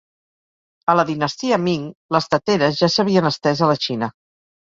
A la dinastia Ming, les teteres ja s'havien estès a la Xina.